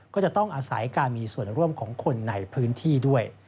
ก็จะต้องอาศัยการมีส่วนร่วมของคนในพื้นที่ด้วย